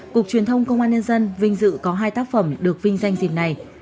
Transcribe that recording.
cục truyền thông công an nhân dân vinh dự có hai tác phẩm được vinh danh dịp này